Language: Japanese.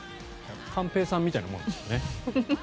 寛平さんみたいなものだよね。